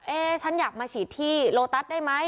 ฉันอยากมาฉีดที่โลตัสได้ไหม